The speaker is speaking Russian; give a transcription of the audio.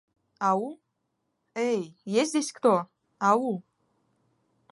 Ау? Эй, есть здесь кто? Ау-у?